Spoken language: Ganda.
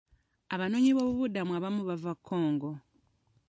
Abanoonyiboobubudamu abamu baava Congo.